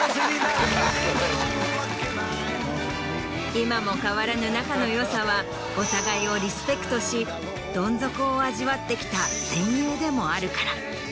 今も変わらぬ仲の良さはお互いをリスペクトしどん底を味わってきた戦友でもあるから。